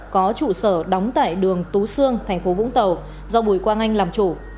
có trụ sở đóng tại đường tú sương tp vũng tàu do bùi quang anh làm chủ